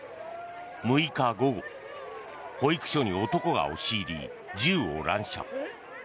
６日午後、保育所に男が押し入り銃を乱射。